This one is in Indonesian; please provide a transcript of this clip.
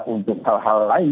untuk hal hal lain